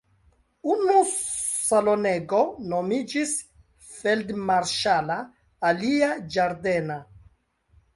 Unu salonego nomiĝis "feldmarŝala" alia "ĝardena".